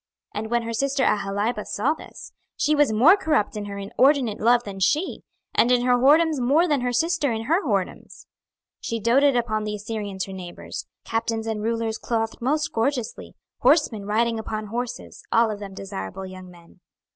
26:023:011 And when her sister Aholibah saw this, she was more corrupt in her inordinate love than she, and in her whoredoms more than her sister in her whoredoms. 26:023:012 She doted upon the Assyrians her neighbours, captains and rulers clothed most gorgeously, horsemen riding upon horses, all of them desirable young men.